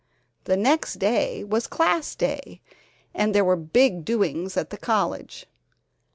The next afternoon was Class Day and there were big doings at the college.